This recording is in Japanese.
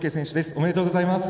おめでとうございます。